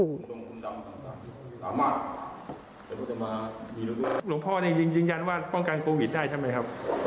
หลวงพ่อเนี่ยจริงยืนยันว่าป้องกันโควิดได้ใช่ไหมครับ